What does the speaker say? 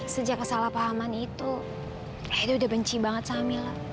sejak kesalahpahaman itu dia udah benci banget sama mila